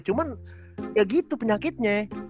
cuman ya gitu penyakitnya